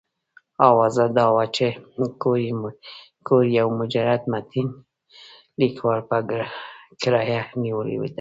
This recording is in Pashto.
اوازه دا وه چې کور یو مجرد متین لیکوال په کرایه نیولی دی.